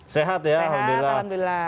sehat ya alhamdulillah